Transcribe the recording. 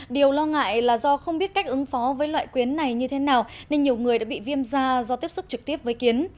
điều lo ngại là do không biết cách ứng phó với loại quyến này như thế nào nên nhiều người đã bị viêm da do tiếp xúc trực tiếp với kiến